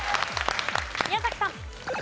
宮崎さん。